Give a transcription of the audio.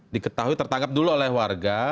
diketahui tertangkap dulu oleh warga